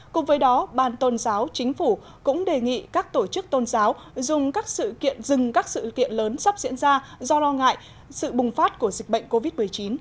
cùng với đó ban tôn giáo chính phủ cũng đề nghị các tổ chức tôn giáo dùng các sự kiện dừng các sự kiện lớn sắp diễn ra do lo ngại sự bùng phát của dịch bệnh covid một mươi chín